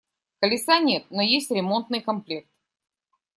Колеса нет, но есть ремонтный комплект.